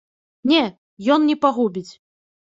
Не, ён не пагубіць.